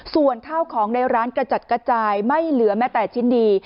ส่วนข้าวของในร้านกระจัดกระจายไม่เหลือแม้แต่ชิ้นดี